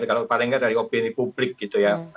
kalau paling nggak dari opini publik gitu ya